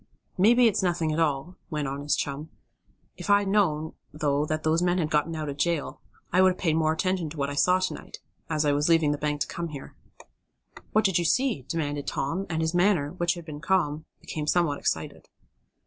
"Maybe it's nothing at all," went on his chum. "If I had known, though that those men had gotten out of jail, I would have paid more attention to what I saw to night, as I was leaving the bank to come here." "What did you see?" demanded Tom, and his manner, which had been calm, became somewhat excited.